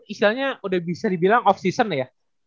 istilahnya udah bisa dibilang off season ya